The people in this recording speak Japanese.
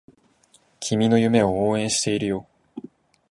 君の夢を応援しているよ